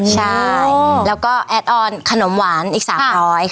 ใช่แล้วก็แอดออนขนมหวานอีก๓๐๐บาท